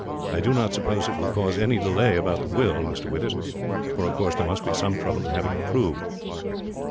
I do not suppose it will cause any delay about the will, Mr. Withers; for of course there must be some trouble in having it proved."